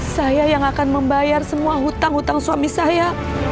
saya yang akan membayar semua hutang hutang suami saya